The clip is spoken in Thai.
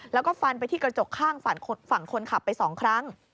แล้วก็ฟันไปที่กระจกข้างฝั่งคนขับไป๒ครั้ง